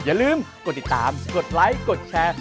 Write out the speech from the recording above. อย่าลืมกดติดตามกดไลค์กดแชร์